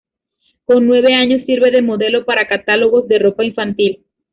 Con nueve años sirve de modelo para catálogos de ropa infantil.